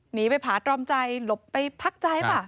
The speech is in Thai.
หนีไปผ่าตรอมใจหลบไปพักใจป่ะ